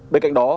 bên cạnh đó